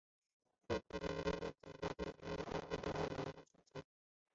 妇科医生通过盆腔检查可以观察到纳博特囊肿的存在。